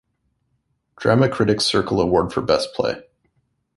Drama Critics Circle Award for Best Play.